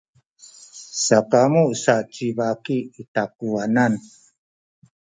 sakamu sa ci baki i takuwanan.